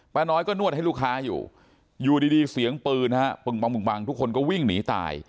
น้อยก็นวดให้ลูกค้าอยู่อยู่ดีเสียงปืนฮะปึงบังทุกคนก็วิ่งหนีตาย